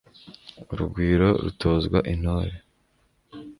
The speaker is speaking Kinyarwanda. urugwiro rutozwa intore